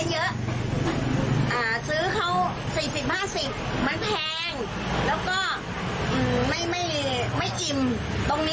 ซื้อเขา๔๐๕๐บาทมันแพง